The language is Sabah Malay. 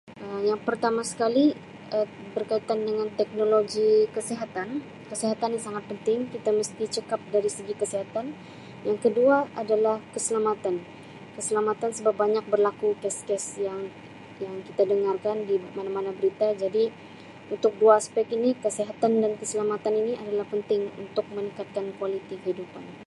Um Yang pertama sekali Um yang berkaitan dengan teknologi kesihatan Um kesihatan ni sangat penting kita mesti cekap dari segi kesihatan yang kedua adalah keselamatan keselamatan sebab banyak berlaku kes-kes yang yang kita dengar kan di mana-mana berita jadi untuk dua aspek ini kesihatan dan keselamatan ini adalah penting untuk meningkatkan kualiti kehidupan.